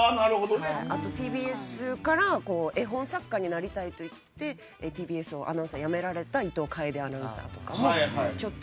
あと、ＴＢＳから絵本作家になりたくてＴＢＳアナウンサーやめた伊東楓アナウンサーとか。